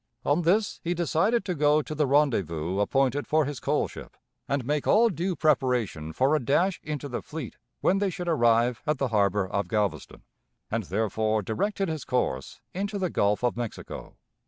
On this he decided to go to the rendezvous appointed for his coal ship, and make all due preparation for a dash into the fleet when they should arrive at the harbor of Galveston, and therefore directed his course into the Gulf of Mexico.